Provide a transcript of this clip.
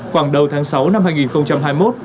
khoảng đầu tháng sáu năm hai nghìn hai mươi một